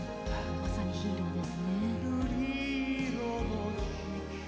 まさにヒーローですね。